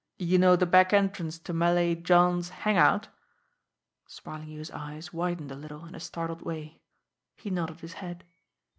You know the back entrance to Malay John's hang out?" Smarlinghue's eyes widened a little in a startled way. He nodded his head.